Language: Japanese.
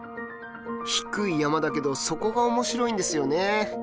低い山だけどそこが面白いんですよね。